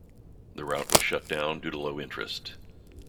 The route was shut down due to low interest.